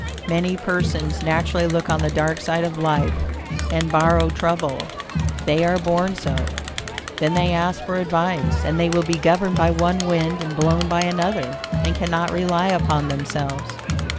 Many persons naturally look on the dark side of life, and borrow trouble. They are born so. Then they ask for advice, and they will be governed by one wind and blown by another, and cannot rely upon themselves.